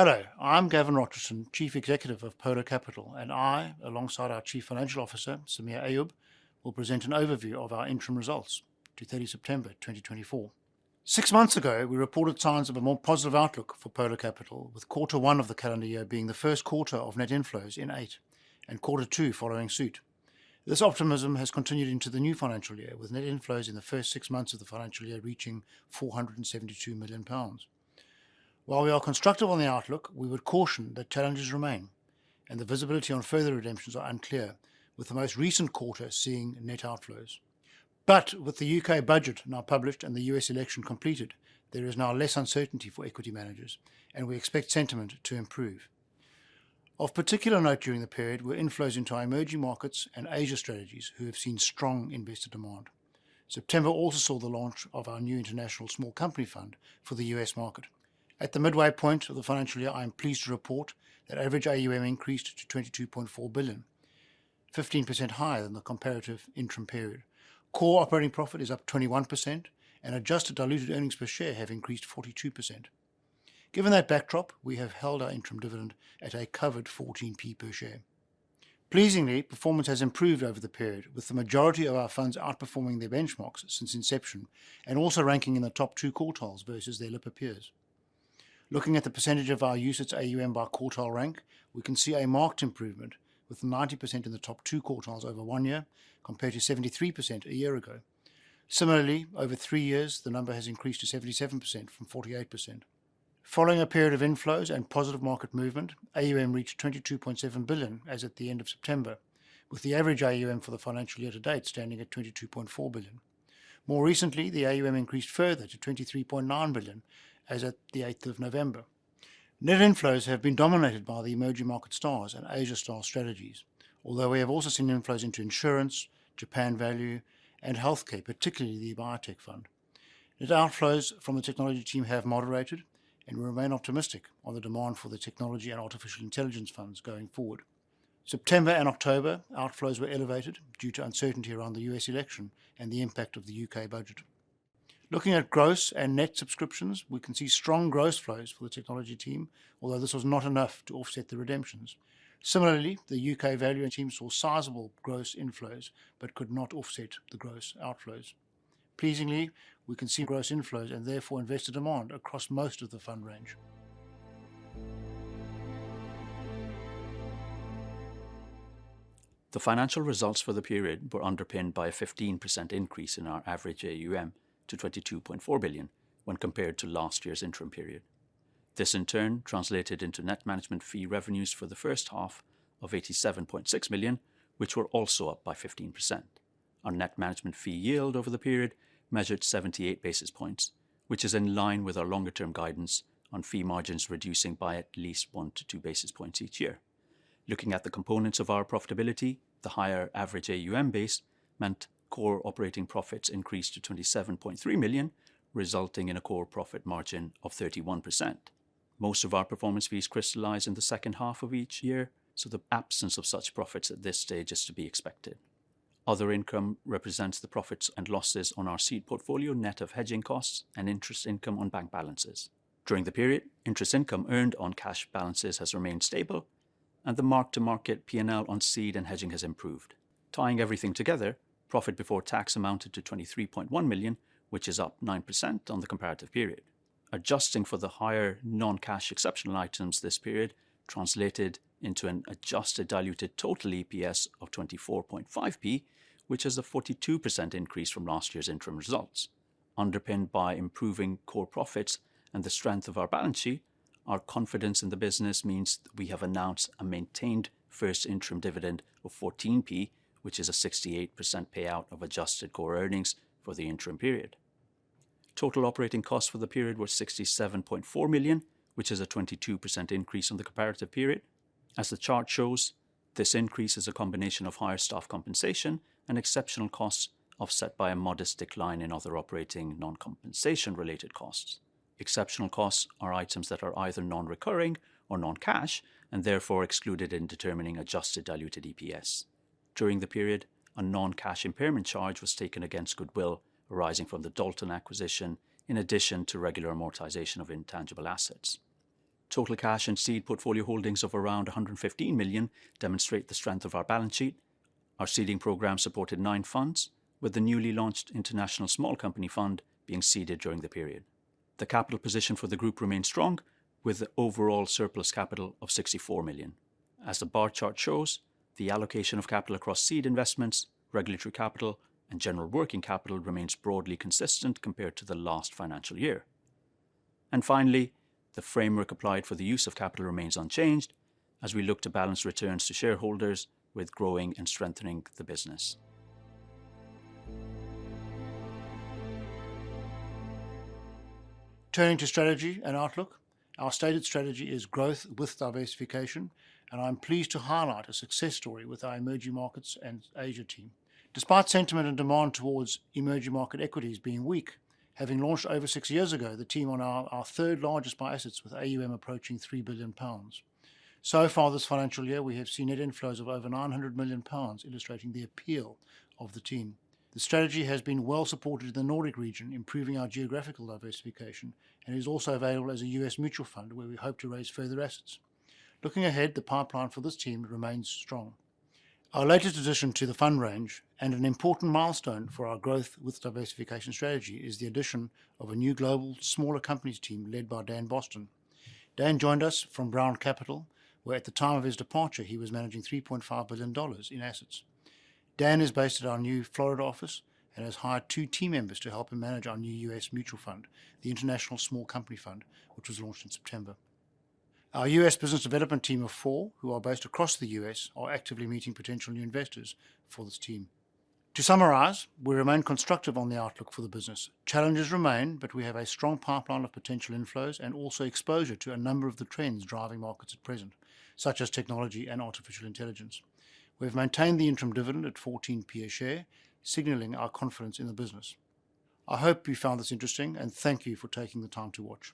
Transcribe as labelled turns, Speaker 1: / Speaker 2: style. Speaker 1: Hello, I'm Gavin Rochussen, Chief Executive of Polar Capital, and I, alongside our Chief Financial Officer, Samir Ayub, will present an overview of our interim results to 30 September 2024. Six months ago, we reported signs of a more positive outlook for Polar Capital, with Quarter One of the calendar year being the first quarter of net inflows in eight and Quarter Two following suit. This optimism has continued into the new financial year, with net inflows in the first six months of the financial year reaching 472 million pounds. While we are constructive on the outlook, we would caution that challenges remain, and the visibility on further redemptions is unclear, with the most recent quarter seeing net outflows, but with the U.K. budget now published and the U.S. election completed, there is now less uncertainty for equity managers, and we expect sentiment to improve. Of particular note during the period were inflows into emerging markets and Asia strategies who have seen strong investor demand. September also saw the launch of our new International Small Company Fund for the U.S. market. At the midway point of the financial year, I'm pleased to report that average AUM increased to 22.4 billion, 15% higher than the comparative interim period. Core operating profit is up 21%, and adjusted diluted earnings per share have increased 42%. Given that backdrop, we have held our interim dividend at a covered 0.14 per share. Pleasingly, performance has improved over the period, with the majority of our funds outperforming their benchmarks since inception and also ranking in the top two quartiles versus their Lipper peers. Looking at the percentage of our U.S. AUM by quartile rank, we can see a marked improvement, with 90% in the top two quartiles over one year compared to 73% a year ago. Similarly, over three years, the number has increased to 77% from 48%. Following a period of inflows and positive market movement, AUM reached 22.7 billion as at the end of September, with the average AUM for the financial year to date standing at 22.4 billion. More recently, the AUM increased further to 23.9 billion as at the 8th of November. Net inflows have been dominated by the Emerging Market Stars and Asian Stars strategies, although we have also seen inflows into insurance, Japan Value, and healthcare, particularly the Biotech Fund. Net outflows from the technology team have moderated, and we remain optimistic on the demand for the technology and artificial intelligence funds going forward. September and October outflows were elevated due to uncertainty around the U.S. election and the impact of the U.K. budget. Looking at gross and net subscriptions, we can see strong gross flows for the technology team, although this was not enough to offset the redemptions. Similarly, the U.K. Value team saw sizable gross inflows but could not offset the gross outflows. Pleasingly, we can see gross inflows and therefore investor demand across most of the fund range.
Speaker 2: The financial results for the period were underpinned by a 15% increase in our average AUM to 22.4 billion when compared to last year's interim period. This, in turn, translated into net management fee revenues for the first half of 87.6 million, which were also up by 15%. Our net management fee yield over the period measured 78 basis points, which is in line with our longer-term guidance on fee margins reducing by at least one to two basis points each year. Looking at the components of our profitability, the higher average AUM base meant core operating profits increased to 27.3 million, resulting in a core profit margin of 31%. Most of our performance fees crystallize in the second half of each year, so the absence of such profits at this stage is to be expected. Other income represents the profits and losses on our seed portfolio, net of hedging costs and interest income on bank balances. During the period, interest income earned on cash balances has remained stable, and the mark-to-market P&L on seed and hedging has improved. Tying everything together, profit before tax amounted to £23.1 million, which is up 9% on the comparative period. Adjusting for the higher non-cash exceptional items this period translated into an adjusted diluted total EPS of 24.5p, which is a 42% increase from last year's interim results. Underpinned by improving core profits and the strength of our balance sheet, our confidence in the business means we have announced a maintained first interim dividend of 14p, which is a 68% payout of adjusted core earnings for the interim period. Total operating costs for the period were £67.4 million, which is a 22% increase on the comparative period. As the chart shows, this increase is a combination of higher staff compensation and exceptional costs offset by a modest decline in other operating non-compensation-related costs. Exceptional costs are items that are either non-recurring or non-cash and therefore excluded in determining adjusted diluted EPS. During the period, a non-cash impairment charge was taken against goodwill arising from the Dalton acquisition, in addition to regular amortization of intangible assets. Total cash and seed portfolio holdings of around £115 million demonstrate the strength of our balance sheet. Our seeding program supported nine funds, with the newly launched International Small Company Fund being seeded during the period. The capital position for the group remains strong, with the overall surplus capital of £64 million. As the bar chart shows, the allocation of capital across seed investments, regulatory capital, and general working capital remains broadly consistent compared to the last financial year. Finally, the framework applied for the use of capital remains unchanged as we look to balance returns to shareholders with growing and strengthening the business.
Speaker 1: Turning to strategy and outlook, our stated strategy is growth with diversification, and I'm pleased to highlight a success story with our emerging markets and Asia team. Despite sentiment and demand towards emerging market equities being weak, having launched over six years ago, the team on our third largest by assets with AUM approaching 3 billion pounds. So far this financial year, we have seen net inflows of over 900 million pounds, illustrating the appeal of the team. The strategy has been well supported in the Nordic region, improving our geographical diversification, and is also available as a U.S. mutual fund where we hope to raise further assets. Looking ahead, the pipeline for this team remains strong. Our latest addition to the fund range and an important milestone for our growth with diversification strategy is the addition of a new global smaller companies team led by Dan Boston. Dan joined us from Brown Capital, where at the time of his departure, he was managing $3.5 billion in assets. Dan is based at our new Florida office and has hired two team members to help him manage our new U.S. mutual fund, the International Small Company Fund, which was launched in September. Our U.S. business development team of four, who are based across the U.S., are actively meeting potential new investors for this team. To summarize, we remain constructive on the outlook for the business. Challenges remain, but we have a strong pipeline of potential inflows and also exposure to a number of the trends driving markets at present, such as technology and artificial intelligence. We have maintained the interim dividend at 14p a share, signaling our confidence in the business. I hope you found this interesting, and thank you for taking the time to watch.